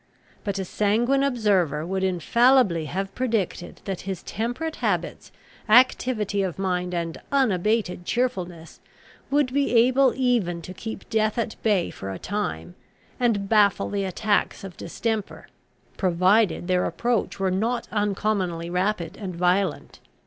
But a sanguine observer would infallibly have predicted, that his temperate habits, activity of mind, and unabated cheerfulness, would be able even to keep death at bay for a time, and baffle the attacks of distemper, provided their approach were not uncommonly rapid and violent.